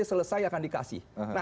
selesai akan dikasih